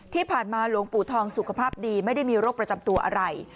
ที่ผ่านมาหลวงปู่ทองสุขภาพดีไม่ได้มีโรคประจำตัวอะไร